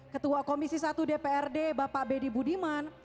ketua komisi satu dprd bapak bedi budiman